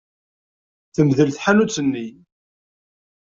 Temdel tḥanut-nni.